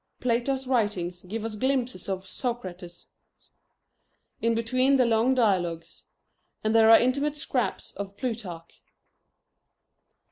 Plato's writings give us glimpses of Socrates, in between the long dialogues. And there are intimate scraps in Plutarch.